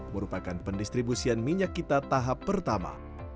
merupakan pendistribusian minyak kita tahap pertama